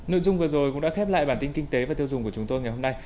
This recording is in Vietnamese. nội dung vừa rồi cũng đã khép lại bản tin kinh tế và tiêu dùng của chúng tôi ngày hôm nay